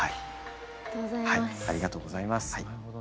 ありがとうございます。